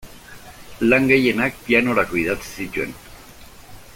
Lan gehienak pianorako idatzi zituen.